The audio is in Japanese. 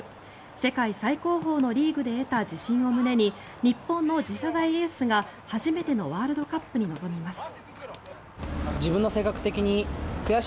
世界最高峰のリーグで得た自信を胸に日本の次世代エースが初めてのワールドカップに臨みます。